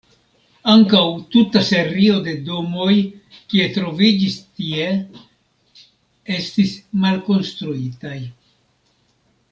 Ankaŭ tuta serio de domoj kie troviĝis tie estis malkonstruitaj.